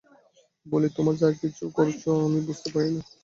বলি, তোমরা যা কিছু করছ, আমি বুঝতে পারি না।